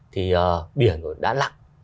thì biển đã lặn